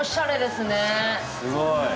すごい。